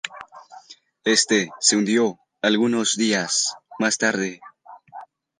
Éste se hundió algunos días más tarde.